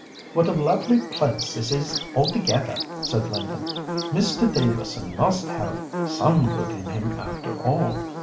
"What a lovely place this is altogether!" said Linda. "Mr. Dealerson must have had some good in him after all.